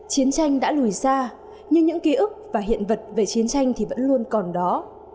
chiến tranh đã lùi xa nhưng những ký ức và hiện vật về chiến tranh thì vẫn luôn còn đó